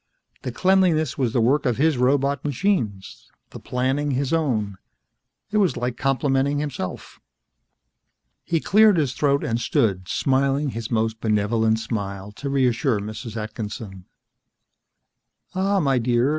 The cleanliness was the work of his robot machines, the planning his own. It was like complimenting himself. He cleared his throat and stood, smiling his most benevolent smile to reassure Mrs. Atkinson. "Ah, my dear.